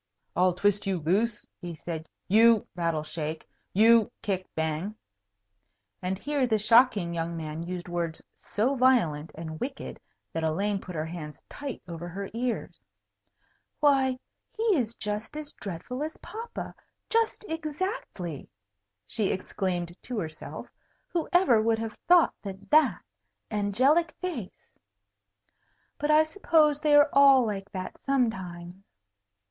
"I'll twist you loose," he said, "you (rattle, shake) you (kick, bang) " And here the shocking young man used words so violent and wicked that Elaine put her hands tight over her ears. "Why, he is just as dreadful as papa, just exactly!" she exclaimed to herself. "Whoever would have thought that that angelic face but I suppose they are all like that sometimes."